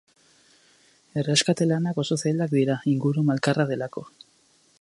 Erreskate-lanak oso zailak dira, inguru malkarra delako.